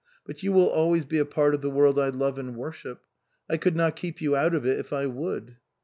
But you will always be a part of the world I love and worship ; I could not keep you out of it if I would."